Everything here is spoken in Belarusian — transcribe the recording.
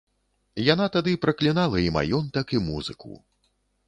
Яна тады праклінала і маёнтак і музыку.